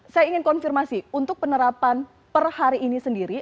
saya ingin konfirmasi untuk penerapan per hari ini sendiri